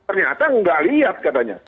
ternyata nggak lihat katanya